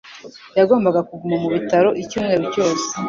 Yagombaga kuguma mu bitaro icyumweru cyose.